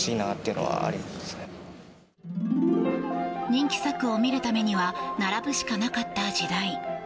人気作を見るためには並ぶしかなかった時代。